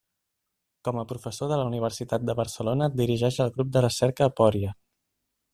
Com a professor de la Universitat de Barcelona, dirigeix el grup de recerca Aporia.